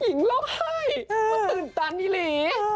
หญิงร้องไห้มันตื่นตันอีหลี